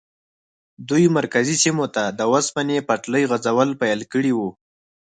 دوی مرکزي سیمو ته د اوسپنې پټلۍ غځول پیل کړي وو.